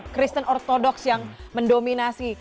christian orthodox yang mendominasi